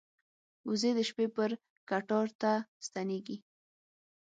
وزې د شپې پر کټار ته ستنېږي